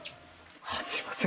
すいません。